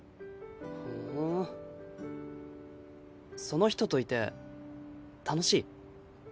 その人といて楽しい？